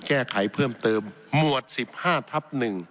แก้ไขเพิ่มเติมหมวด๑๕ทับ๑